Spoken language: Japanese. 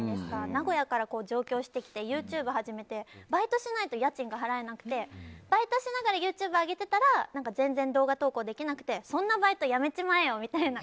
名古屋から上京してきてＹｏｕＴｕｂｅ始めてバイトしないと家賃が払えなくてバイトしながらＹｏｕＴｕｂｅ上げてたら全然動画投稿できなくてそんなバイトやめちまえよみたいな。